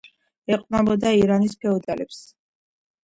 ეყრდნობოდა ირანის ფეოდალებს.